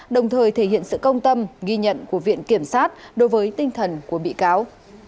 đồng thời thể hiện sự công tâm ghi nhận của viện kiểm sát đối với tinh thần của bị cáo